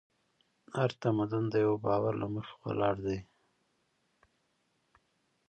هر تمدن د یوه باور له مخې ولاړ دی.